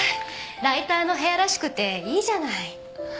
ライターの部屋らしくていいじゃない。